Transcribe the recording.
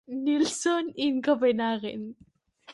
Nilsson in Copenhagen.